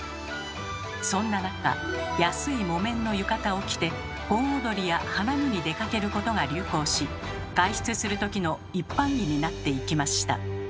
そんな中安い木綿の浴衣を着て盆踊りや花見に出かけることが流行し外出するときの一般着になっていきました。